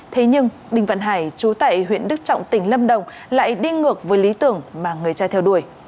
thế nhưng đinh văn hải chú tại huyện đức trọng tỉnh lâm đồng lại đi ngược với lý tưởng mà người trai theo đuổi